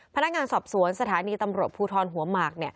พนักงานสอบสวนสถานีตำรวจภูทรหัวหมาก